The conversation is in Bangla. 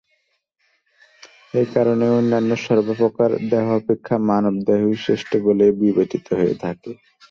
এই কারণেই অন্যান্য সর্বপ্রকার দেহ অপেক্ষা মানবদেহই শ্রেষ্ঠ বলিয়া বিবেচিত হইয়া থাকে।